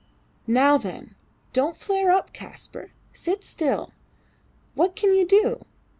Now, then! Don't flare up, Kaspar. Sit still. What can you do?